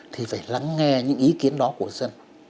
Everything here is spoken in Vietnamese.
thì phải lắng nghe những ý kiến đó của dân